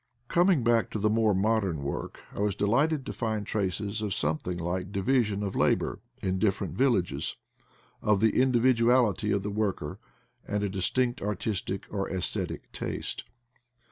Coming back to the more modern work, I was delighted to find traces of a something like division of labor in different villages ; of the individuality of the worker, and a distinct artistic or esthetic taste.